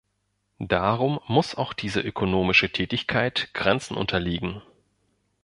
Darum muss auch diese ökonomische Tätigkeit Grenzen unterliegen.